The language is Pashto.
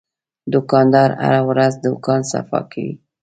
دوکاندار هره ورځ دوکان صفا کوي.